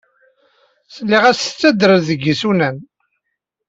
Sliɣ-as yettader-d deg yisunan.